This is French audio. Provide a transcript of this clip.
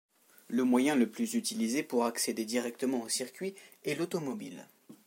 Le moyen le plus utilisé pour accéder directement au circuit est l'automobile.